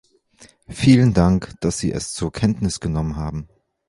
Vielen Dank, dass sie es zur Kenntnis genommen haben.